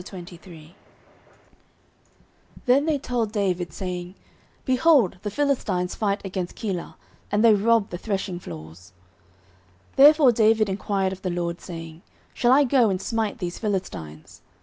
09:023:001 Then they told David, saying, Behold, the Philistines fight against Keilah, and they rob the threshingfloors. 09:023:002 Therefore David enquired of the LORD, saying, Shall I go and smite these Philistines?